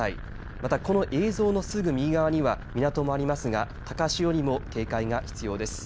また、この映像のすぐ右側には港もありますが高潮にも警戒が必要です。